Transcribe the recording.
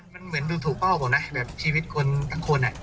มันเหมือนดูถูกเป้าหรือเปล่านะแบบชีวิตทุกคน